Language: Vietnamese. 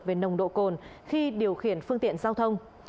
về nồng độ cồn khi điều khiển phương tiện giao thông